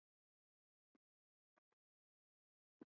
এছাড়া, তিনি প্রকাশ করেছেন বহু গবেষণা পত্র।